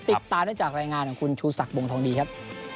ติดตามได้จากรายงานของคุณชูศักดิบวงทองดีครับ